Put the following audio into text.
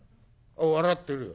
笑ってるよ。